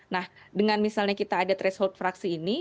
nah dengan misalnya kita ada threshold fraksi ini